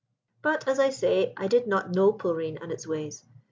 "But, as I say, I did not know Polreen and its ways.